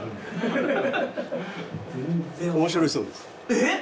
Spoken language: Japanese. えっ！？